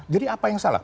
jadi apa yang salah